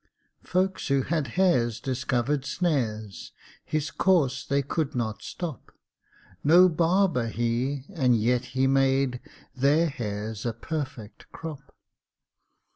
Folks who had hares discovered snares His course they could not stop: No barber he, and yet he made Their hares a perfect crop.